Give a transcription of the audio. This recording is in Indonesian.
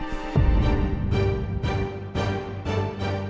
tadi aku nanya sama earlier